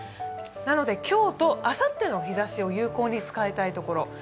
なので今日とあさっての日ざしを有効に使いたいところ。